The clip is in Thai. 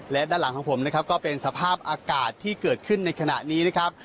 และด้านหลังของผมนะครับก็เป็นสภาพอากาศที่เกิดขึ้นในขณะนี้นะครับ